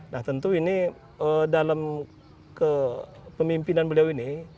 nah tentu ini dalam kepemimpinan beliau ini